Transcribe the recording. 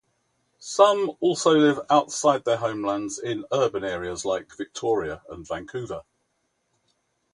Some also live outside their homelands in urban areas such as Victoria and Vancouver.